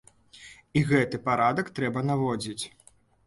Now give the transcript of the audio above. І гэты парадак трэба наводзіць.